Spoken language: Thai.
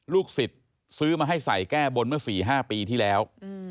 ลูกศิษย์ซื้อมาให้ใส่แก้บนเมื่อ๔๕ปีที่แล้ว